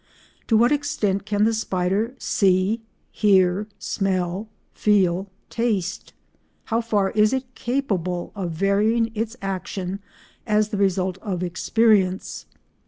To what extent can the spider see, hear, smell, feel, taste? How far is it capable of varying its action as the result of experience?